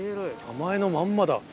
名前のまんまだ。